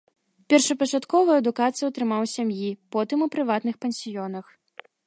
Першапачатковую адукацыю атрымаў у сям'і, потым у прыватных пансіёнах.